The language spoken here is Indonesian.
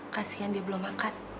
kasian dia belum makan